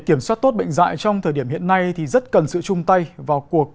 để kiểm soát tốt bệnh dạy trong thời điểm hiện nay thì rất cần sự chung tay vào cuộc của cả cộng đồng